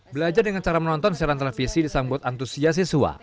belajar dengan cara menonton siaran televisi disambut antusias siswa